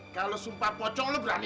kalau sumpah pocong lo berani